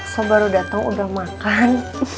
so baru datang udah makan